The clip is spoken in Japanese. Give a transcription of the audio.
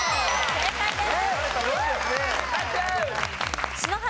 正解です。